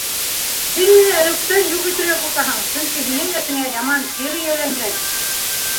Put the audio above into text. Һин мине әлүктән юҡ итергә ҡурҡаһың, сөнки һинең әсеңә яман сир эйәләгән.